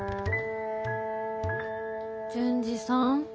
順次さん。